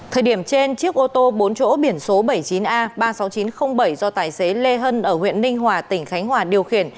thời điểm trên chiếc ô tô bốn chỗ biển số bảy mươi chín a ba mươi sáu nghìn chín trăm linh bảy do tài xế lê hân ở huyện ninh hòa tỉnh khánh hòa điều khiển